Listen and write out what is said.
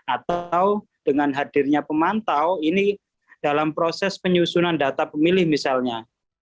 atau dengan hadirnya pemantau ini dalam proses penyusunan data pemilih misalnya